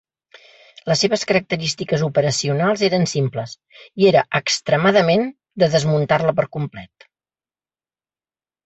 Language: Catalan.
Les seves característiques operacionals eren simples, i era extremadament de desmuntar-la per complet.